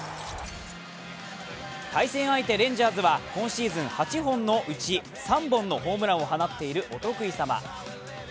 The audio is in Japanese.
対戦相手レンジャーズは今シーズン８本のうち３本のホームランを放っているお得意様。